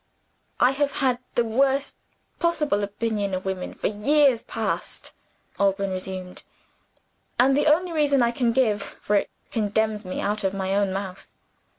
"I have had the worst possible opinion of women for years past," Alban resumed; "and the only reason I can give for it condemns me out of my own mouth.